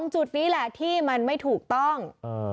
จุดนี้แหละที่มันไม่ถูกต้อง